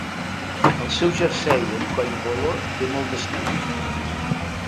El seu jersei amb coll polo té molt d'estil.